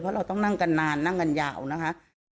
เพราะเราต้องนั่งกันนานนั่งกันยาวนะคะ